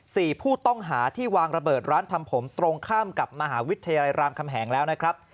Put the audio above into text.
สี่ผู้ต้องหาที่วางระเบิดร้านทำผมตรงข้ามกับมหาวิทยาลัยรามคำแหงแล้วนะครับ